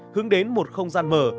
hướng đến một không gian mở